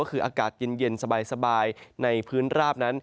ก็คืออากาศเย็นสบายในพื้นราบนั้น